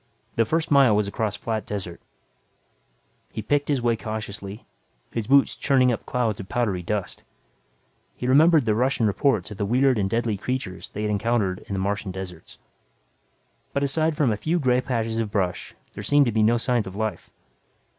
The first mile was across flat desert. He picked his way cautiously, his boots churning up clouds of powdery dust. He remembered the Russian reports of the weird and deadly creatures they had encountered in the Martian deserts. But aside from a few gray patches of brush there seemed to be no sign of life.